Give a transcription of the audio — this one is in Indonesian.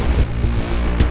saya mau ke rumah